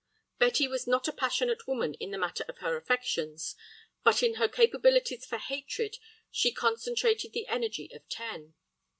Betty was not a passionate woman in the matter of her affections, but in her capabilities for hatred she concentrated the energy of ten.